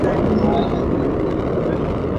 Wagonjwa wote wametibiwa.